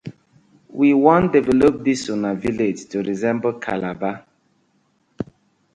We wan develop dis una villag to resemble Calabar.